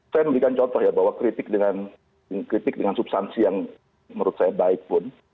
saya memberikan contoh ya bahwa kritik dengan kritik dengan substansi yang menurut saya baik pun